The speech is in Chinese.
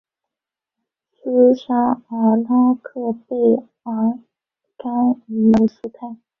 斯沙尔拉克贝尔甘伊尔姆斯泰。